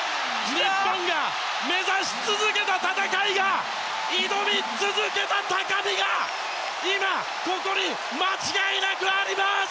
日本が目指し続けた戦いが挑み続けた高みが今、ここに間違いなくあります。